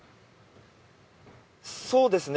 そうですね。